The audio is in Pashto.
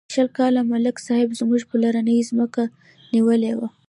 شل کاله ملک صاحب زموږ پلرنۍ ځمکه نیولې وه.